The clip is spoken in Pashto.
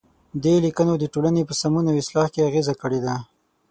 دې لیکنو د ټولنې په سمون او اصلاح کې اغیزه کړې ده.